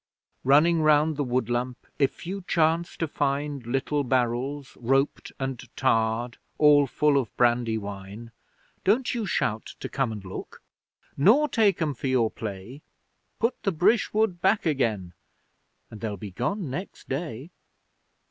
Running round the woodlump if you chance to find Little barrels, roped and tarred, all full of brandy wine; Don't you shout to come and look, nor take 'em for your play; Put the brishwood back again, and they'll be gone next day!